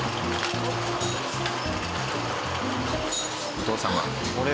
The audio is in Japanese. お父様。